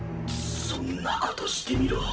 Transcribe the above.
そんなことしてみろ。